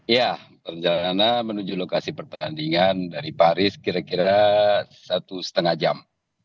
ya perjalanan menuju lokasi pertandingan dari paris kira kira satu setengah jam